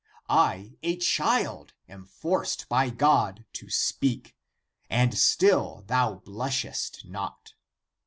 I, a child, am forced by God to speak and still thou blushest not.